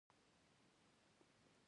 جان لکه ګوګرد پرې ناوی وواهه.